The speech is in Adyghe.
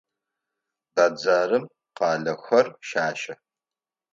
Бэдзэрым къалэхэр щащэ.